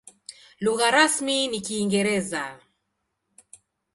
Lugha rasmi ni Kiingereza.